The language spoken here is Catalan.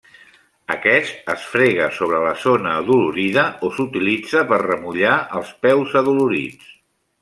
Aquest es frega sobre la zona adolorida o s'utilitza per remullar els peus adolorits.